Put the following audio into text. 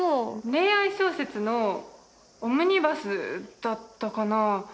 恋愛小説のオムニバスだったかな？